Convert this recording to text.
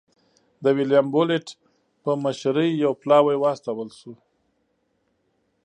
د ویلیم بولېټ په مشرۍ یو پلاوی واستول شو.